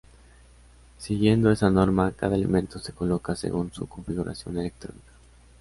Siguiendo esa norma, cada elemento se coloca según su configuración electrónica.